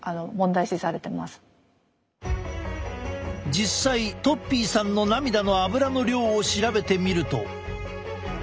実際とっぴーさんの涙のアブラの量を調べてみると。